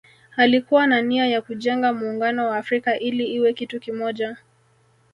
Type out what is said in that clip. Alikuwa na nia ya kujenga Muungano wa Afrika ili iwe kitu kimoja